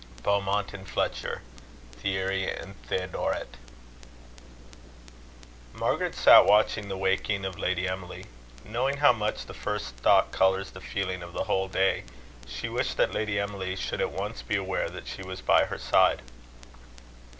BEAUMONT AND FLETCHER. Thierry and Theodoret. Margaret sat watching the waking of Lady Emily. Knowing how much the first thought colours the feeling of the whole day, she wished that Lady Emily should at once be aware that she was by her side.